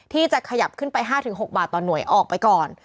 ที่จะขยับขึ้นไป๕๖บาทต่อหน่วยออกไปก่อน